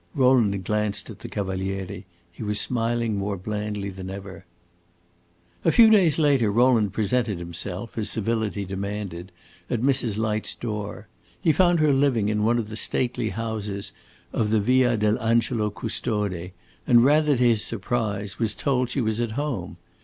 Rowland glanced at the Cavaliere; he was smiling more blandly than ever. A few days later Rowland presented himself, as civility demanded, at Mrs. Light's door. He found her living in one of the stately houses of the Via dell' Angelo Custode, and, rather to his surprise, was told she was at home.